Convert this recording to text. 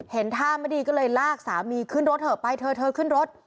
เห็นท่าไม่ดีก็เลยลากสามีขึ้นรถเถอะไปเถอะเธอขึ้นรถ